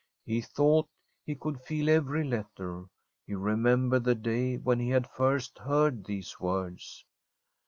He thought he could feel every letter. He remembered the day when he had first heard these words.